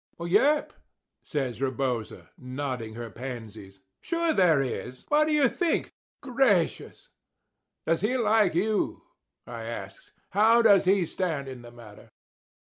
"Yep," says Rebosa, nodding her pansies—"Sure there is! What do you think! Gracious!" "Does he like you?" I asks. "How does he stand in the matter?"